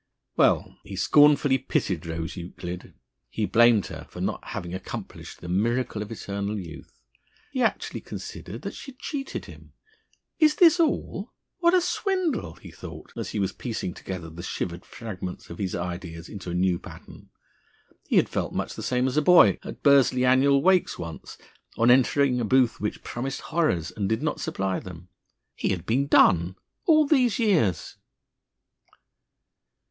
Well, he scornfully pitied Rose Euclid. He blamed her for not having accomplished the miracle of eternal youth. He actually considered that she had cheated him. "Is this all? What a swindle!" he thought, as he was piecing together the shivered fragments of his ideas into a new pattern. He had felt much the same as a boy, at Bursley Annual Wakes once, on entering a booth which promised horrors and did not supply them. He had been "done" all these years....